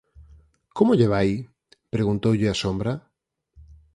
Como lle vai? –preguntoulle a sombra.